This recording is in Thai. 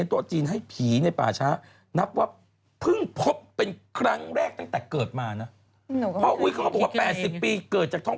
เนี่ยแบบ๑๐ปีเกิดแบบนั้นพ่อท้องแม่ก็เพิ่งเคยเจอนะ